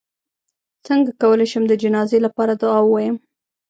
څنګه کولی شم د جنازې لپاره دعا ووایم